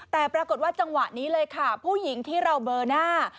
แต่ปรากฏว่าจังหวะนี้เลยค่ะผู้หญิงที่เราเบอร์หน้า